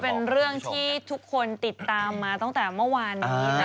เป็นเรื่องที่ทุกคนติดตามมาตั้งแต่เมื่อวานนี้